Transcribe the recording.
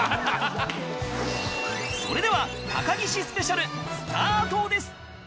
それでは高岸スペシャルスタートです！